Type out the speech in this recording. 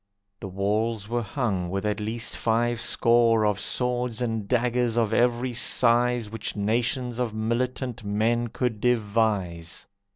The walls were hung with at least five score Of swords and daggers of every size Which nations of militant men could devise.